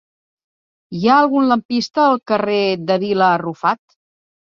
Hi ha algun lampista al carrer de Vila Arrufat?